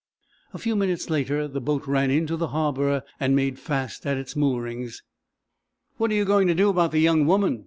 A few minutes later the boat ran into the harbor and made fast at its moorings. "What are you going to do about the young woman?"